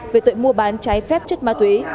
về tội mua bán trái phép chất ma túy